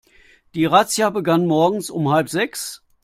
Die Razzia begann morgens um halb sechs.